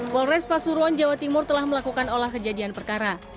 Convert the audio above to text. polres pasuruan jawa timur telah melakukan olah kejadian perkara